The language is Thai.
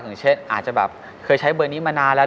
อย่างเช่นอาจจะแบบเคยใช้เบอร์นี้มานานแล้ว